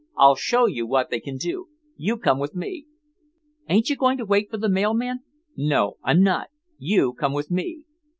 I'll show you what they can do; you come with me." "Ain't you going to wait for the mailman?" "No, I'm not. You come with me."